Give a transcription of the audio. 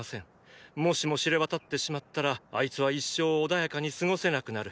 もしも知れわたってしまったらあいつは一生穏やかに過ごせなくなる。